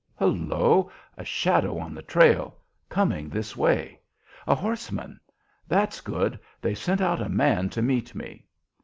Hullo! A shadow on the trail! Coming this way. A horseman. That's good! They've sent out a man to meet me."